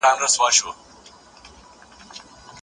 يتيم ته د هغه مال په سمه توګه وسپارئ.